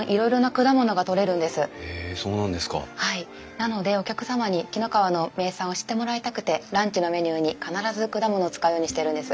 なのでお客様に紀の川の名産を知ってもらいたくてランチのメニューに必ず果物を使うようにしてるんです。